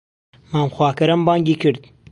مام خواکەرەم بانگی کرد